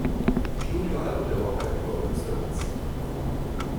Studioalbum der Rockband Rolling Stones.